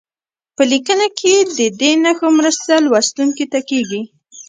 په لیکنه کې د دې نښو مرسته لوستونکي ته کیږي.